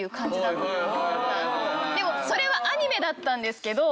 でもそれはアニメだったんですけど。